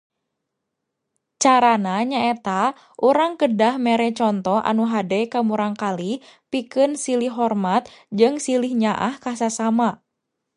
Cara na nyaeta urang kedah mere conto anu hade ka murangkalih pikeun silih hormat jeung silih nyaah ka sasama.